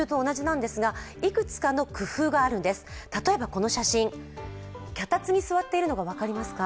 この写真、脚立に座っているのが分かりますか？